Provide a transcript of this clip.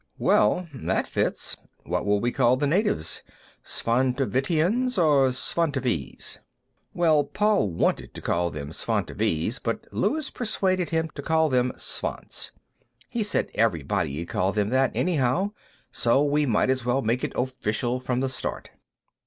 "Well, that fits. What will we call the natives; Svantovitians, or Svantovese?" "Well, Paul wanted to call them Svantovese, but Luis persuaded him to call them Svants. He said everybody'd call them that, anyhow, so we might as well make it official from the start."